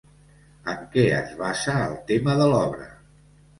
En què es basa el tema de l'obra?